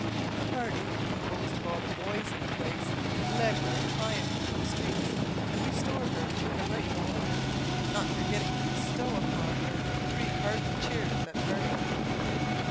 A party, composed of all the boys in the place, led her in triumph through the streets, and restored her to her rightful owner, not forgetting to bestow upon her three hearty cheers at parting.